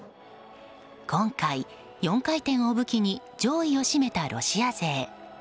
今回、４回転を武器に上位を占めたロシア勢。